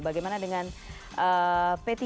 bagaimana dengan p tiga